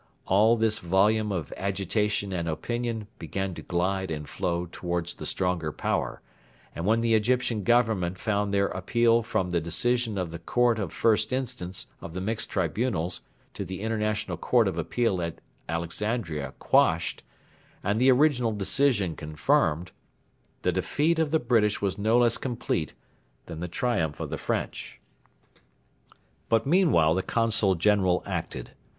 All this volume of agitation and opinion began to glide and flow towards the stronger Power, and when the Egyptian Government found their appeal from the decision of the Court of First Instance of the Mixed Tribunals to the International Court of Appeal at Alexandria quashed, and the original decision confirmed, the defeat of the British was no less complete than the triumph of the French. But meanwhile the Consul General acted.